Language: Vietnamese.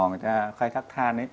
người ta khai thác than